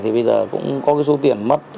thì bây giờ cũng có số tiền mất